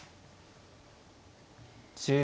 １０秒。